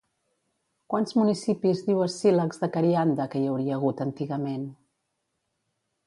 Quants municipis diu Escílax de Carianda que hi hauria hagut antigament?